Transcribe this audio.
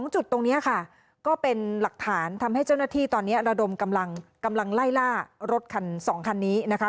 จุดตรงนี้ค่ะก็เป็นหลักฐานทำให้เจ้าหน้าที่ตอนนี้ระดมกำลังไล่ล่ารถคัน๒คันนี้นะคะ